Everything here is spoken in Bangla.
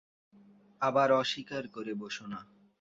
আবার অস্বীকার করে বসো না।